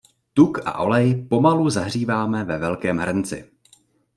Tuk a olej pomalu zahříváme ve velkém hrnci.